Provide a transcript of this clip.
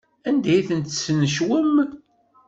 Anda ay ten-tesnecwem?